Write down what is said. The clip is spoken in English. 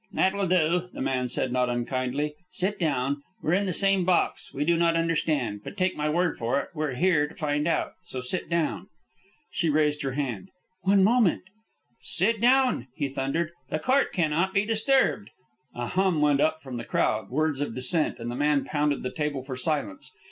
"That will do," the man said, not unkindly. "Sit down. We're in the same box. We do not understand. But take my word for it, we're here to find out. So sit down." She raised her hand. "One moment " "Sit down!" he thundered. "The court cannot be disturbed." A hum went up from the crowd, words of dissent, and the man pounded the table for silence.